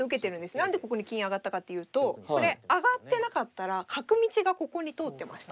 何でここに金上がったかっていうとこれ上がってなかったら角道がここに通ってました。